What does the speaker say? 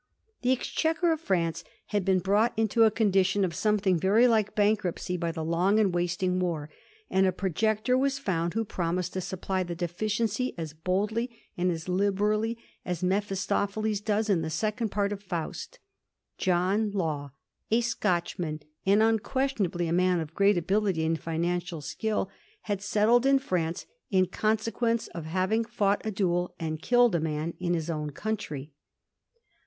The exchequer of France had been brought into a condition of something very like bankruptcy by the long and wasting war; and a projector was found who promised to supply the deficiency as boldly and as liberally as Mephistopheles does in the second part of ' Faust.' John Law, a Scotchman, and unquestion ably a man of great ability and financial skill, had settled in France in consequence of having fought a duel and killed his man in his own country.